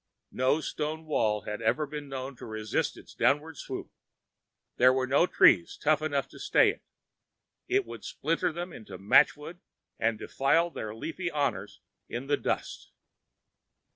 No stone wall had ever been known to resist its downward swoop; there were no trees tough enough to stay it; it would splinter them into matchwood and defile their leafy honors in the dust.